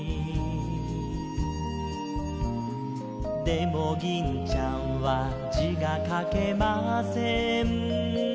「でも銀ちゃんは字が書けません」